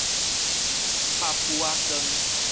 拍殕仔光